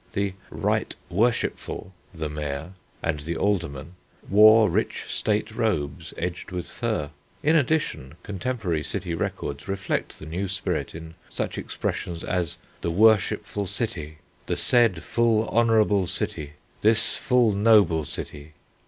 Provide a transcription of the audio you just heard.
The "right worshipful" the Mayor and the Aldermen wore rich state robes edged with fur. In addition, contemporary city records reflect the new spirit in such expressions as "the worshupful cite," "the said full honourabill cite," "this full nobill city."